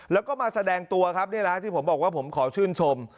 แล้วก็มาแสดงตัวครับนี่แหละที่ผมบอกว่าผมขอชื่นชม